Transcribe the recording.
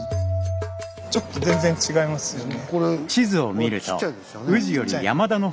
ちょっと全然違いますよね。